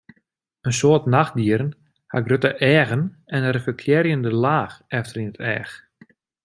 In soad nachtdieren hawwe grutte eagen en in reflektearjende laach efter yn it each.